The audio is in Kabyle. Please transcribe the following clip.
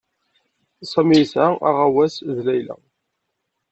Sami yesɛa aɣawas d Layla.